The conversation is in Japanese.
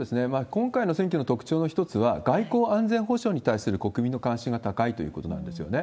今回の選挙の特徴の一つは、外交安全保障に対する国民の関心が高いということなんですね。